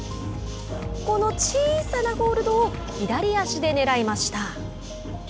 この小さなホールドを左足でねらいました。